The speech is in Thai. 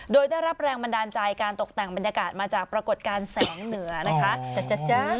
โดยได้รับแรงบันดาลใจการตกแต่งบรรยากาศมาจากปรากฏการณ์แสงเหนือนะคะ